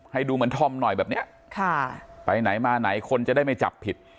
ให้ดูเหมือนธอมหน่อยแบบเนี้ยค่ะไปไหนมาไหนคนจะได้ไม่จับผิด